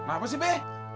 apa sih be